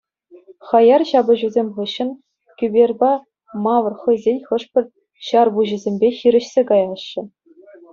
Хаяр ҫапӑҫусем хыҫҫӑн Кӳперпа Мавр хӑйсен хӑшпӗр ҫарпуҫӗсемпе хирӗҫсе каяҫҫӗ.